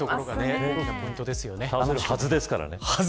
倒せるはずですからね。